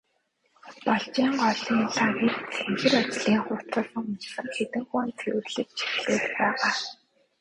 Балжийн голын лагийг цэнхэр ажлын хувцас өмссөн хэдэн хүн цэвэрлэж эхлээд байгаа.